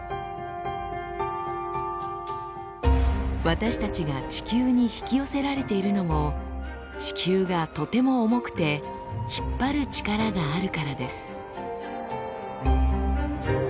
私たちが地球に引き寄せられているのも地球がとても重くて引っ張る力があるからです。